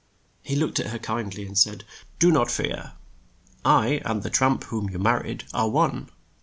He looked at her kind ly and said, "Do not fear. I and the tramp whom you mar ried are one.